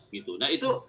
gitu nah itu